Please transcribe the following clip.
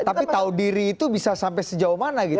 tapi tahu diri itu bisa sampai sejauh mana gitu